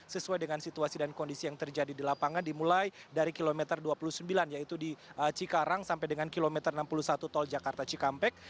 sesuai dengan situasi dan kondisi yang terjadi di lapangan dimulai dari kilometer dua puluh sembilan yaitu di cikarang sampai dengan kilometer enam puluh satu tol jakarta cikampek